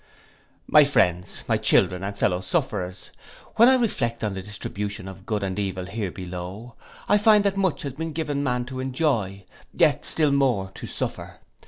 My friends, my children, and fellow sufferers, when I reflect on the distribution of good and evil here below, I find that much has been given man to enjoy, yet still more to suffer.